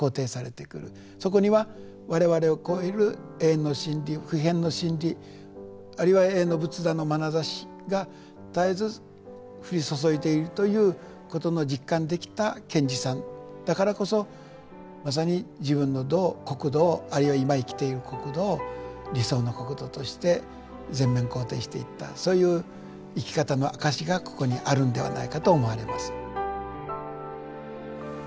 そこには我々を超える永遠の真理不変の真理あるいは永遠の仏陀のまなざしが絶えず降り注いでいるということの実感できた賢治さんだからこそまさに自分の道を国土をあるいは今生きている国土を理想の国土として全面肯定していったそういう生き方の証しがここにあるんではないかと思われます。